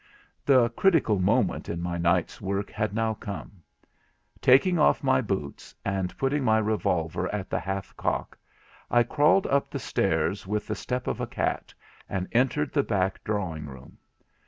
The critical moment in my night's work had now come. Taking off my boots, and putting my revolver at the half cock, I crawled up the stairs with the step of a cat, and entered the back drawing room.